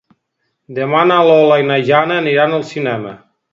Demà na Lola i na Jana aniran al cinema.